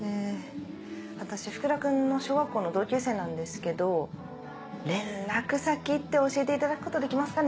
私福田君の小学校の同級生なんですけど連絡先って教えていただくことできますかね？